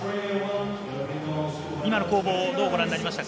今の攻防どうご覧になりましたか。